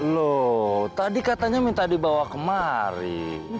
loh tadi katanya minta dibawa kemari